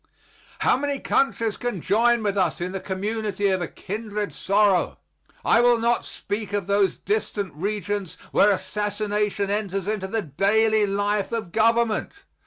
How many countries can join with us in the community of a kindred sorrow! I will not speak of those distant regions where assassination enters into the daily life of government.